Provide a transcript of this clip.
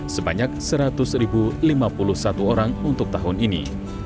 sebanyak seratus lima puluh satu orang untuk tahun ini